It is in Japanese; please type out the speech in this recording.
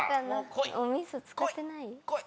お味噌使ってない？